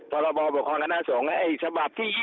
ปกติปกตินะฉบับที่๒๐